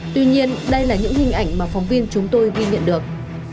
tuy nhiên đây là những hình ảnh mà phóng viên chúng tôi ghi nhận được